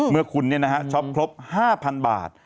เมื่อคุณช็อปครบ๕๐๐๐บาท